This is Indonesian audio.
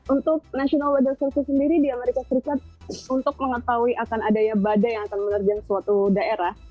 untuk national weather service sendiri di amerika serikat untuk mengetahui akan adanya badai yang akan menerjang suatu daerah